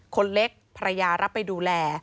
คนเล็กภรรยารับไปดูแล